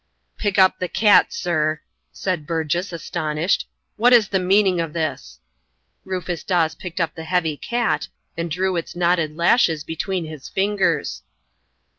"Pick up the cat, sir!" said Burgess, astonished; "what is the meaning of this?" Rufus Dawes picked up the heavy cat, and drew its knotted lashes between his fingers.